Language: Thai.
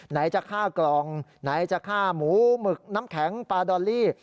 ไหนจะฆ่ากล่องไหนจะฆ่าหมูหมึกน้ำแข็งปลาดอลลี่